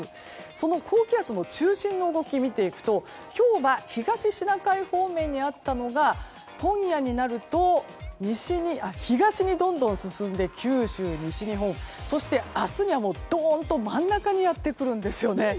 その高気圧の中心の動き見ていくと今日は東シナ海方面にあったのが今夜になると東にどんどん進んで九州、西日本そして、明日には、どんと真ん中にやってくるんですよね。